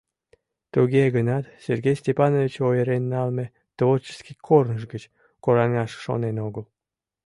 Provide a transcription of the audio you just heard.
Туге гынат Сергей Степанович ойырен налме творческий корныж гыч кораҥаш шонен огыл.